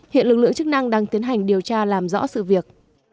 hiện lực lượng chức năng đang tiến hành điều tra làm rõ sự việc